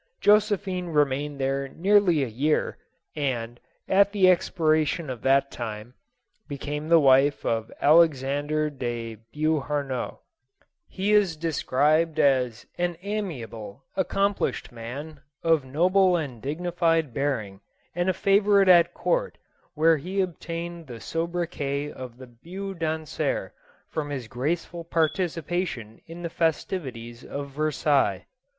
Jo sephine remained there nearly a year, and, at the ex piration of that time, became the wife of Alexandre de Beauharnois. He is described as " an amiable, accomplished man, of noble and dignified bearing, and a favorite at court, JOSEPHINE. 229 where he obtained the soubriquet of the 'beau danseur,' from his graceful participation in the festivities of Ver sailles."